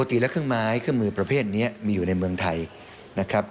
ปกติแล้วเครื่องไม้เครื่องมือประเภทนี้มีอยู่ในเมืองไทยนะครับ